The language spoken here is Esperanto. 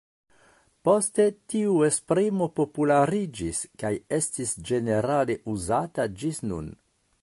Poste tiu esprimo populariĝis kaj estis ĝenerale uzata gis nun.